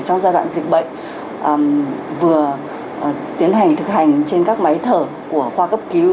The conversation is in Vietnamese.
trong giai đoạn dịch bệnh vừa tiến hành thực hành trên các máy thở của khoa cấp cứu